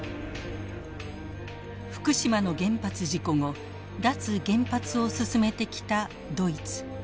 福島の原発事故後脱原発を進めてきたドイツ。